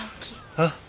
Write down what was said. あっ？